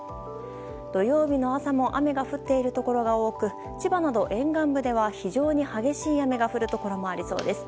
土曜日の朝も雨が降っているところが多く千葉など沿岸部では非常に激しい雨が降るところもありそうです。